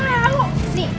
aduh liat aja tuh